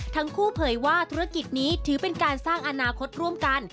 ทั้งคู่เผยว่าธุรกิจนี้ถือเป็นการสร้างอนาคตร่วมกัน